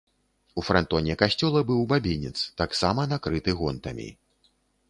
У франтоне касцёла быў бабінец, таксама накрыты гонтамі.